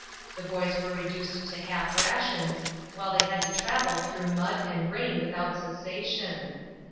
The boys were reduced to half rations, while they had to travel through mud and rain without cessation.